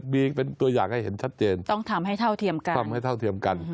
มีตัวอย่างให้เห็นชัดเจนต้องทำให้เท่าเทียมกัน